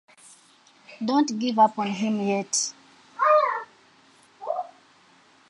Don't give up on him yet.